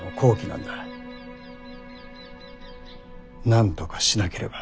なんとかしなければ。